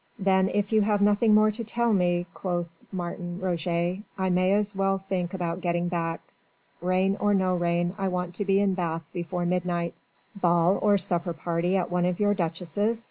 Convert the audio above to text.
"Then if you have nothing more to tell me," quoth Martin Roget, "I may as well think about getting back. Rain or no rain, I want to be in Bath before midnight." "Ball or supper party at one of your duchesses?"